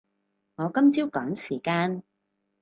我今朝趕時間